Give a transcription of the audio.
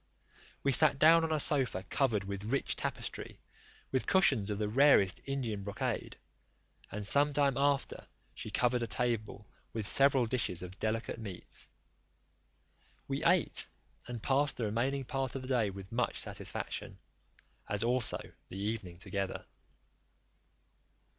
We sat down on a sofa covered with rich tapestry, with cushions of the rarest Indian brocade; and some time after she covered a table with several dishes of delicate meats. We ate, and passed the remaining part of the day with much satisfaction, as also the evening, together.